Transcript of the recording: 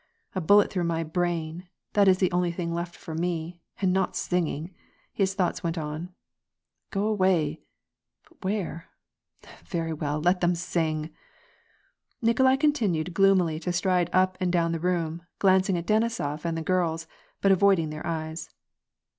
A bullet through my brain, that is the only thing left for me, and not singing !" his thoughts went on. " Gk) away ! But where ? Very well, let them sing !" Nikolai continued gloomily to stride up and down the room, glancing at Denisof and the girls, but avoiding their eyes.